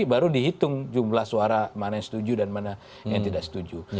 baru dihitung jumlah suara mana yang setuju dan mana yang tidak setuju